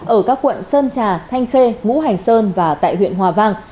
ở các quận sơn trà thanh khê ngũ hành sơn và tại huyện hòa vang